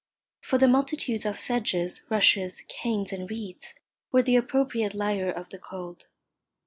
For the multitudes of sedges, rushes, canes, and reeds were the appropriate lyre of the cold.